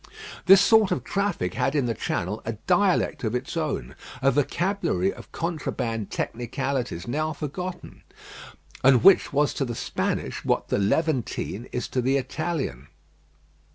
This sort of traffic had in the Channel a dialect of its own, a vocabulary of contraband technicalities now forgotten, and which was to the Spanish what the "Levantine" is to the Italian.